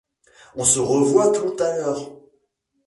On se revoit tout à l’heure.